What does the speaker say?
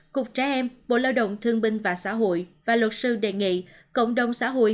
cục trẻ em bộ lao động thương binh và xã hội và luật sư đề nghị cộng đồng xã hội